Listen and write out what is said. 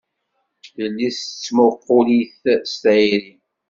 Yelli-s tettmuqul-it s tayri.